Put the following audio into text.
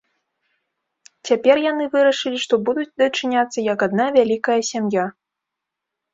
Цяпер яны вырашылі, што будуць дачыняцца, як адна вялікая сям'я.